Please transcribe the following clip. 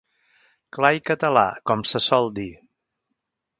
Clar i català, com se sol dir.